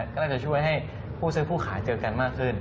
ก็น่าจะช่วยให้ผู้ซื้อผู้ขายเจอกันมากขึ้น